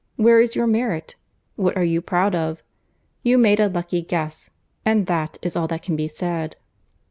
Where is your merit? What are you proud of? You made a lucky guess; and that is all that can be said."